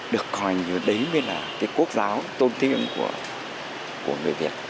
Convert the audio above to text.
được coi như đấy mới là cái quốc giáo tôn tín ngưỡng của người việt